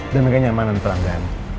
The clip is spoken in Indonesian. dan ini nyamanan pelanggan